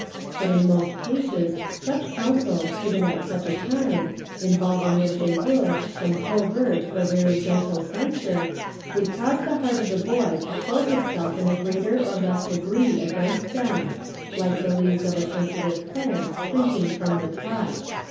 But in most cases such counsels, given at such a time, involving, as they would, some covert though very gentle censure, would cause the heart of the boy to close itself in a greater or less degree against them, like the leaves of a sensitive plant shrinking from the touch.